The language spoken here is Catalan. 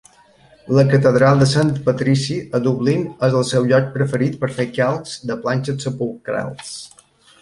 La catedral de Sant Patrici, a Dublín, és el seu lloc preferit per fer calcs de planxes sepulcrals.